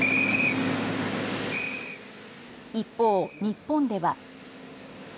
一方、日本では。